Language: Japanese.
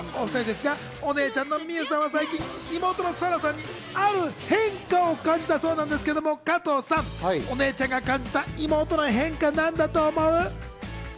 そんな本田姉妹のお２人ですが、お姉ちゃんの望結ちゃんは妹の紗来さんにある変化を感じたそうなんですけれども加藤さん、お姉ちゃんが感じた妹の変化、なんだと思う？